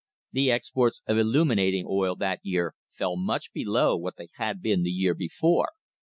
The exports of illuminating oil that year fell much below what they had been the year before.